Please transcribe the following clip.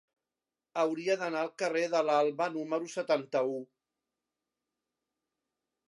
Hauria d'anar al carrer de l'Alba número setanta-u.